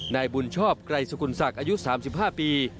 นายบุญชอบไกรสกุลศักดิ์อายุ๓๕ปี